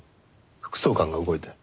副総監が動いて。